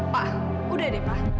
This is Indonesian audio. pa udah deh pa